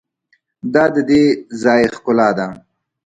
دا د دې ځای ښکلا ده.